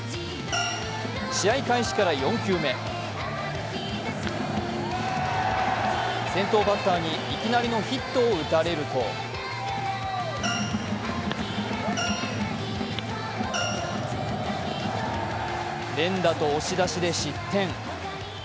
試合開始から４球目先頭バッターにいきなりのヒットを打たれると連打と押し出しで失点。